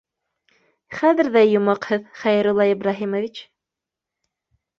— Хәҙер ҙә йомаҡ һеҙ, Хәйрулла Ибраһимович